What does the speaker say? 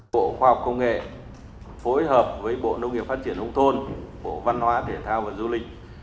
bộ khoa học công nghệ phối hợp với bộ nông nghiệp phát triển nông thôn bộ văn hóa thể thao và du lịch